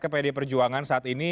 ke pd perjuangan saat ini